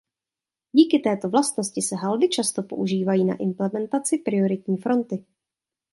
Díky této vlastnosti se haldy často používají na implementaci prioritní fronty.